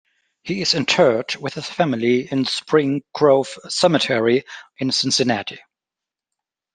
He is interred with his family in Spring Grove Cemetery in Cincinnati.